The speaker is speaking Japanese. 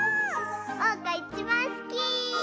おうかいちばんすき！